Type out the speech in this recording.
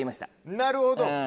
なるほど。